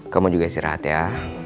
kamu juga istirahat ya